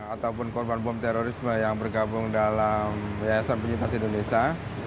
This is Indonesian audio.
ataupun korban bom terorisme yang bergabung dalam yayasan penyintas indonesia